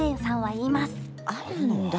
あるんだ。